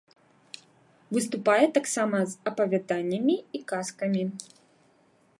Выступае таксама з апавяданнямі і казкамі.